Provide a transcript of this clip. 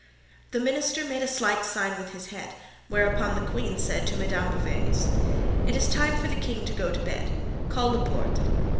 The minister made a slight sign with his head, whereupon the queen said to Madame Beauvais: "It is time for the king to go to bed; call Laporte."